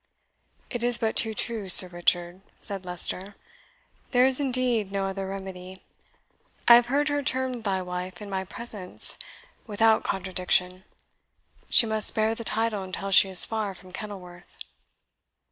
"It is but too true, Sir Richard," said Leicester; "there is indeed no other remedy. I have heard her termed thy wife in my presence, without contradiction. She must bear the title until she is far from Kenilworth."